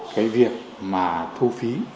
cái việc mà thu phí